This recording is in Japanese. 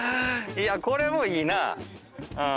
いやこれもいいな。